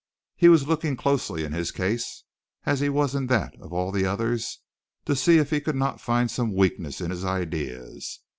He was looking closely in his case, as he was in that of all the others, to see if he could not find some weakness in his ideas.